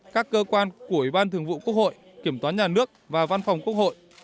các cơ quan của ubthq kiểm toán nhà nước và văn phòng quốc hội